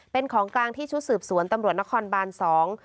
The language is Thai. เป็นของกลางที่ชุดสืบสวนตำรวจนครบานสอง